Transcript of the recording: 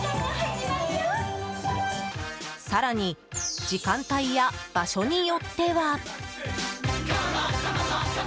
更に、時間帯や場所によっては。